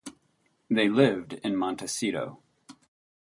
They lived in Montecito.